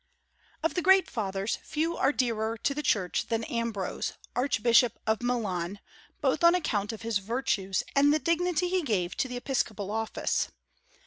Of the great Fathers, few are dearer to the Church than Ambrose, Archbishop of Milan, both on account of his virtues and the dignity he gave to the episcopal office.